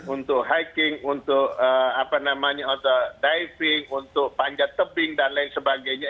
untuk hiking untuk diving untuk panjat tebing dan lain sebagainya